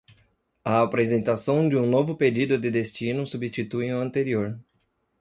A apresentação de um novo pedido de destino substitui o anterior.